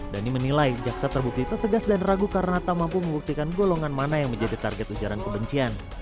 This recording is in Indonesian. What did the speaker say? dhani menilai jaksa terbukti tetegas dan ragu karena tak mampu membuktikan golongan mana yang menjadi target ujaran kebencian